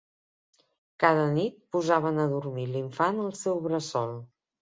Cada nit posaven a dormir l'infant al seu bressol.